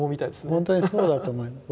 ほんとにそうだと思います。